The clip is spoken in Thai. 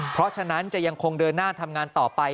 เพราะฉะนั้นจะยังคงเดินหน้าทำงานต่อไป